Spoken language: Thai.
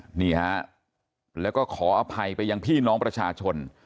นี่ฮะแล้วก็ขออภัยไปยังพี่น้องประชาชน